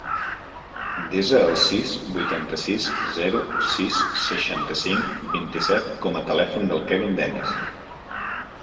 Desa el sis, vuitanta-sis, zero, sis, seixanta-cinc, vint-i-set com a telèfon del Kevin Deniz.